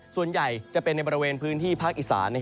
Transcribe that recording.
ส่วนใหญ่จะเป็นในบริเวณพื้นที่ภาคอีสาน